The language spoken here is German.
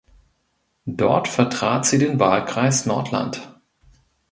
Dort vertrat sie den Wahlkreis Nordland.